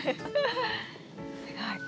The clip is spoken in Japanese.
すごい。